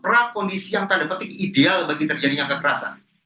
prakondisi yang tanda petik ideal bagi terjadinya kekerasan